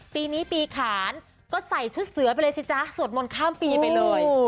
ปีนี้ปีขานก็ใส่ชุดเสือไปเลยสิจ๊ะสวดมนต์ข้ามปีไปเลย